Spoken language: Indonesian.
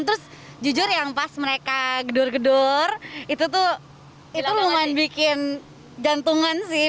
terus jujur yang pas mereka gedor gedor itu tuh lumayan bikin jantungan sih